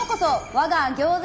我が餃子